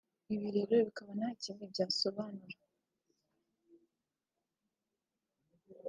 Ibi rero bikaba nta kindi byasobanura